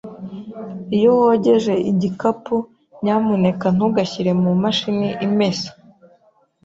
Iyo wogeje igikapu, nyamuneka ntugashyire mumashini imesa.